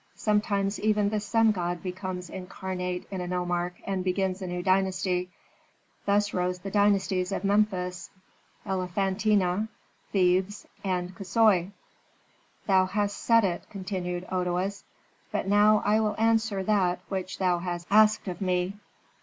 "Sometimes even the sun god becomes incarnate in a nomarch and begins a new dynasty. Thus rose the dynasties of Memphis, Elephantina, Thebes, and Ksoi." "Thou hast said it," continued Otoes. "But now I will answer that which thou hast asked of me.